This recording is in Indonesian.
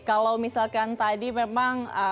kalau misalkan tadi memang